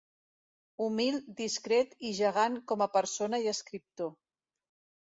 Humil, discret i gegant com a persona i escriptor.